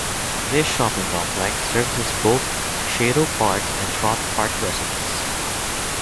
This shopping complex services both Sheidow Park and Trott Park residents.